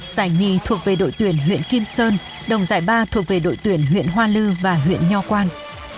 giải nhì thuộc về đội tuyển huyện kim sơn đồng giải ba thuộc về đội tuyển huyện hoa lư và huyện nho quan